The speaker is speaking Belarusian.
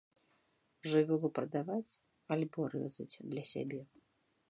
Жывёлу прадаваць альбо рэзаць для сябе.